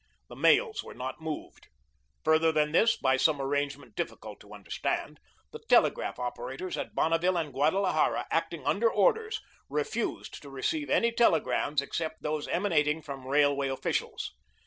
The mails were not moved. Further than this, by some arrangement difficult to understand, the telegraph operators at Bonneville and Guadalajara, acting under orders, refused to receive any telegrams except those emanating from railway officials.